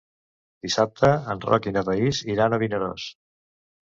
Dissabte en Roc i na Thaís iran a Vinaròs.